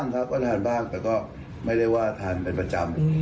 ครับก็ทานบ้างแต่ก็ไม่ได้ว่าทานเป็นประจำ